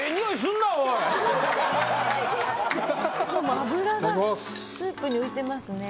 脂がスープに浮いてますね。